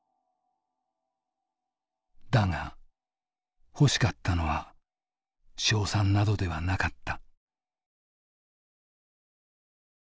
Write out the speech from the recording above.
だが欲しかったのは賞賛などではなかった。